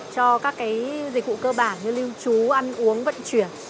cho các dịch vụ cơ bản như lưu trú ăn uống vận chuyển